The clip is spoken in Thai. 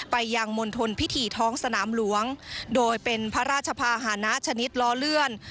ยังมณฑลพิธีท้องสนามหลวงโดยเป็นพระราชภาษณะชนิดล้อเลื่อน